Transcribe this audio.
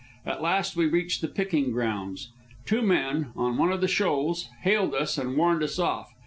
At last we reached the picking grounds. Two men, on one of the shoals, hailed us and warned us off.